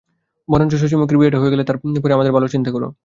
বরঞ্চ শশিমুখীর বিয়েটা হয়ে গেলে তার পরে আমাদের ভালোর চিন্তা কোরো।